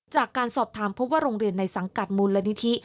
จากการสอบถามพบว่าโรงเรียนในสังกัดมูลนิธิ